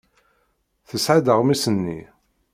Tesɣa-d aɣmis-nni.